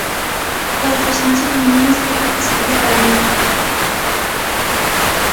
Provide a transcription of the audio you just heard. O das personaxes femininas é porque escribía para a miña filla.